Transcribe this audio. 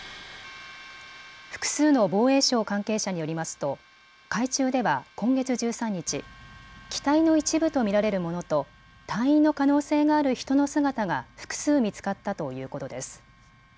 複数の防衛省関係者によりますと海中では今月１３日、機体の一部と見られるものと隊員の可能性がある人の姿が複数見つかったということです。